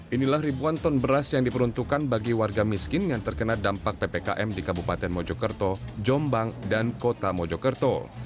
inilah ribuan ton beras yang diperuntukkan bagi warga miskin yang terkena dampak ppkm di kabupaten mojokerto jombang dan kota mojokerto